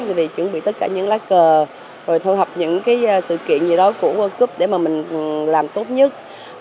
chúng tôi chuẩn bị tất cả những lá cờ rồi thu hợp những sự kiện gì đó của world cup để mà mình làm tốt nhất